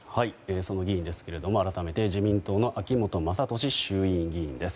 その議員ですが改めて自民党の秋本真利衆議院議員です。